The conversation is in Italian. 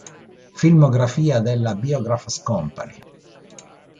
Filmografia della Biograph Company